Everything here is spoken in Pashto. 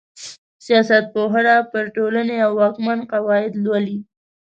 سياست پوهنه پر ټولني واکمن قواعد لولي.